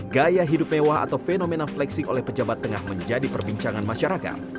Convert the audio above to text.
gaya hidup mewah atau fenomena flexing oleh pejabat tengah menjadi perbincangan masyarakat